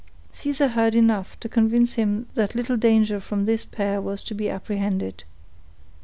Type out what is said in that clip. Caesar heard enough to convince him that little danger from this pair was to be apprehended.